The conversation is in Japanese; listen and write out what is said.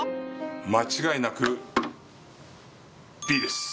間違いなくＢです